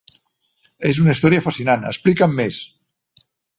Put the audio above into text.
És una història fascinant, explica'm més!